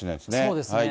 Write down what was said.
そうですね。